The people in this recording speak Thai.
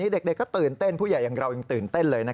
เด็กก็ตื่นเต้น